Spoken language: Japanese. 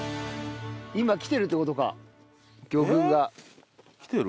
今来てるって事か魚群が。来てる？